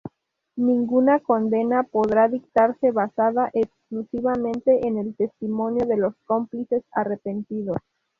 Ninguna condena podrá dictarse basada exclusivamente en el testimonio de los cómplices arrepentidos.